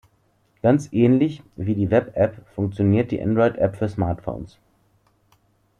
Ganz ähnlich wie die Web-App funktioniert die Android-App für Smartphones.